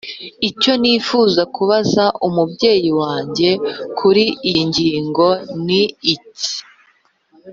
Icyo nifuza kubaza umubyeyi wanjye kuri iyi ngingo ni iki